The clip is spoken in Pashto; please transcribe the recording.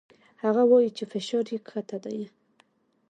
هغه وايي چې فشار يې کښته ديه.